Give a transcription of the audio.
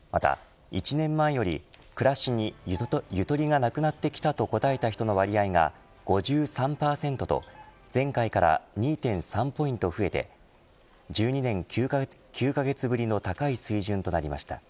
また１年間より暮らしにゆとりがなくなってきたと答えた人の割合が５３％と前回から２．３ポイント増えて１２年９カ月ぶりの高い水準となりました。